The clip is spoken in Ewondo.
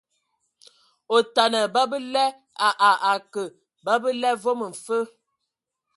Otana, babela a a akǝ babǝla vom mfǝ.